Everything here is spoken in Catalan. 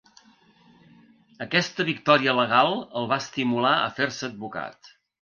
Aquesta victòria legal el va estimular a fer-se advocat.